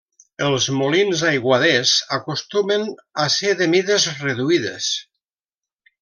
Els molins aiguaders acostumen a ser de mides reduïdes.